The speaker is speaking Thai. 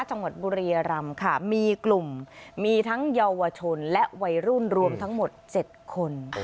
จังหวัดบุรียรำค่ะมีกลุ่มมีทั้งเยาวชนและวัยรุ่นรวมทั้งหมด๗คน